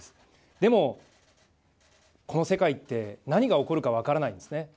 でもこの世界って何が起こるか分からないんですね。